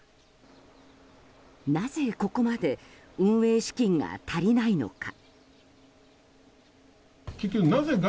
なぜ、ここまで運営資金が足りないのか。